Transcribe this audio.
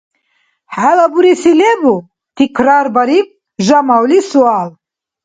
- XӀела буреси лебу? - тикрарбариб Жамавли суал.